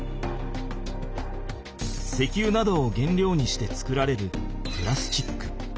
石油などを原料にして作られるプラスチック。